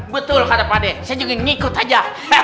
betul kata pak de saya juga ngikut aja